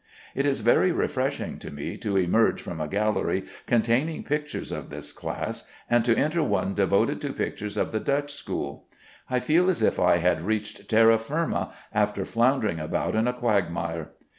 It is very refreshing to me to emerge from a gallery containing pictures of this class, and to enter one devoted to pictures of the Dutch school. I feel as if I had reached terra firma after floundering about in a quagmire.